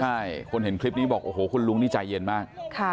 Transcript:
ใช่คนเห็นคลิปนี้บอกโอ้โหคุณลุงนี่ใจเย็นมาก